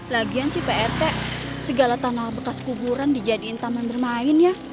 lagian sih prt segala tanah bekas kuburan dijadikan taman bermain ya